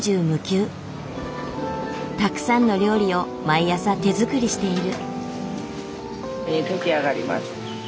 たくさんの料理を毎朝手作りしている。